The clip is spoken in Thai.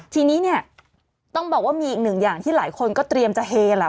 ทีนี้เนี่ยต้องบอกว่ามีอีกหนึ่งอย่างที่หลายคนก็เตรียมจะเฮล่ะ